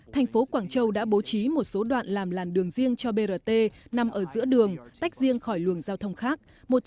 thành phố quảng châu đã bố trí một số đoạn làm làn đường riêng cho brt nằm ở giữa đường tách riêng khỏi luồng giao thông khác